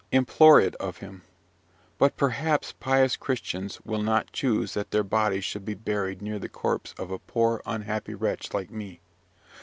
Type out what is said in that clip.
Implore it of him. But perhaps pious Christians will not choose that their bodies should be buried near the corpse of a poor, unhappy wretch like me.